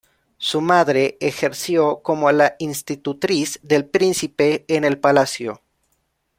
Su madre ejerció como la institutriz del príncipe en el palacio.